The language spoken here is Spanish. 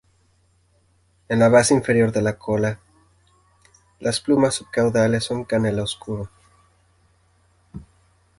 En la base inferior de la cola, las plumas subcaudales son canela oscuro.